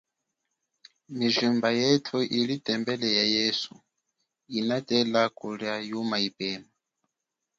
Mijimba yethu ili tembele ya yesu inatela kulia yuma ipema.